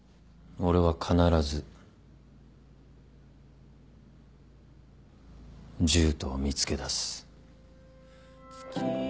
俺は必ずジュートを見つけ出す。